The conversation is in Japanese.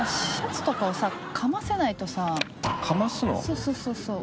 そうそうそうそう。